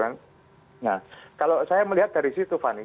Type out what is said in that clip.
nah kalau saya melihat dari situ fani